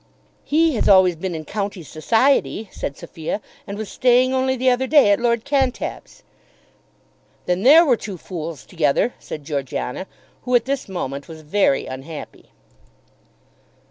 "He has always been in county society," said Sophia, "and was staying only the other day at Lord Cantab's." "Then there were two fools together," said Georgiana, who at this moment was very unhappy.